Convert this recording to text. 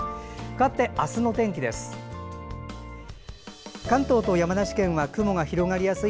かわって明日の天気です。